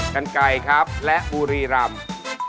กันไก่ครับและบุรีรำ